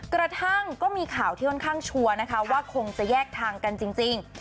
กระทั่งก็มีข่าวที่ค่อนข้างชัวร์นะคะว่าคงจะแยกทางกันจริง